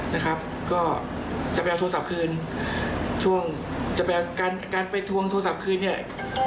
นะครับก็จะโทรศัพท์คืนช่วงจะมากานไปทวงโทรศัพท์คืนเนี่ย